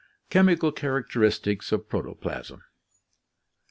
Chemical Characteristics of Protoplasm.